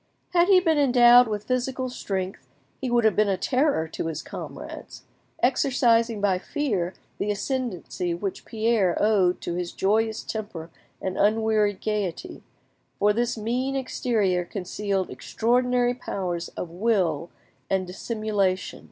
Had he been endowed with physical strength he would have been a terror to his comrades, exercising by fear the ascendancy which Pierre owed to his joyous temper and unwearied gaiety, for this mean exterior concealed extraordinary powers of will and dissimulation.